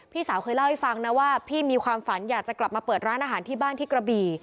พี่สาวเคยเล่าให้ฟังนะว่าพี่มีความฝันอยากจะกลับมาเปิดร้านอาหารที่บ้านที่กระบี่